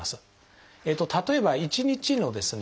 例えば１日のですね